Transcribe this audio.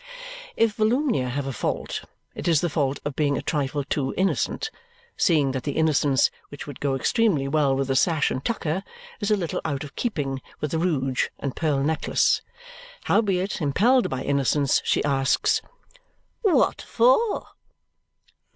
If Volumnia have a fault, it is the fault of being a trifle too innocent, seeing that the innocence which would go extremely well with a sash and tucker is a little out of keeping with the rouge and pearl necklace. Howbeit, impelled by innocence, she asks, "What for?"